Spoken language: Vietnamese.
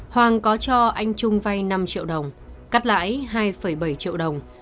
hoàng có cho anh trung vay năm triệu đồng cắt lãi hai bảy triệu đồng